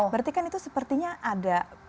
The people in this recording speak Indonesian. berarti kan itu sepertinya ada